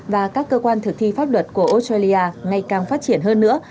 và các cơ quan thực thi pháp luật của australia ngày càng phát triển hơn nữa